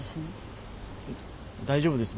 大丈夫です